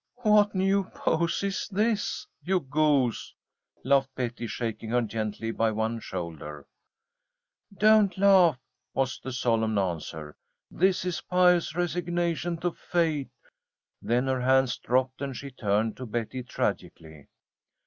"What new pose is this, you goose?" laughed Betty, shaking her gently by one shoulder. "Don't laugh," was the solemn answer. "This is pious resignation to fate." Then her hands dropped and she turned to Betty tragically.